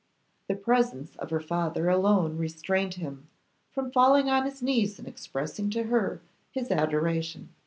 The presence of her father alone restrained him from falling on his knees and expressing to her his adoration.